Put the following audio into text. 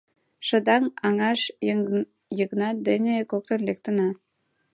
— Шыдаҥ аҥаш Йыгнат дене коктын лектына».